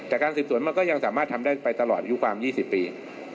แต่การสืบสวนมันก็ยังสามารถทำได้ไปตลอดอายุความ๒๐ปี